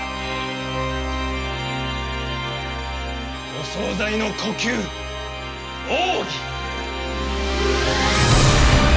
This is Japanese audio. お総菜の呼吸奥義！